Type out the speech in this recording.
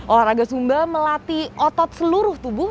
olahraga sumba melatih otot seluruh tubuh